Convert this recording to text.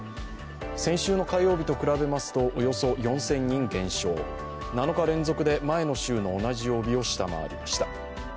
先週の火曜日と比べますとおよそ４０００人減少、７日連続で前の週の同じ曜日を下回りました。